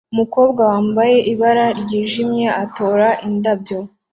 Umukobwa wambaye ibara ryijimye atora indabyo